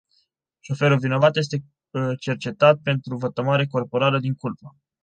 Șoferul vinovat este cercetat pentru vătămare corporală din culpă.